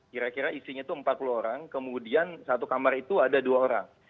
kira kira isinya itu empat puluh orang kemudian satu kamar itu ada dua orang